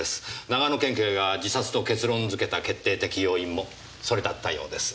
長野県警が自殺と結論づけた決定的要因もそれだったようです。